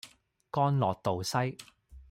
干諾道西